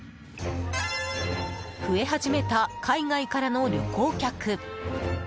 増え始めた海外からの旅行客。